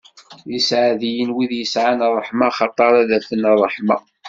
D iseɛdiyen, wid yesɛan ṛṛeḥma, axaṭer ad afen ṛṛeḥma!